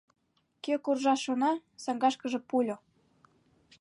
Кӧ куржаш шона, саҥгашкыже пульо!